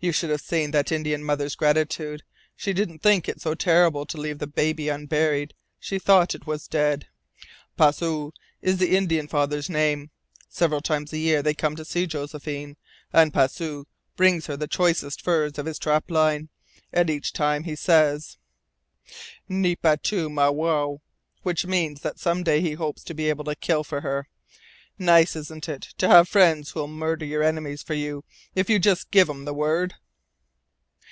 You should have seen that Indian mother's gratitude! She didn't think it so terrible to leave the baby unburied. She thought it was dead. Pasoo is the Indian father's name. Several times a year they come to see Josephine, and Pasoo brings her the choicest furs of his trap line. And each time he says: 'Nipa tu mo wao,' which means that some day he hopes to be able to kill for her. Nice, isn't it to have friends who'll murder your enemies for you if you just give 'em the word?"